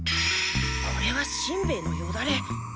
これはしんべヱのよだれ。